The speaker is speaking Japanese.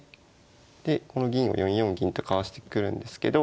でこの銀を４四銀とかわしてくるんですけど。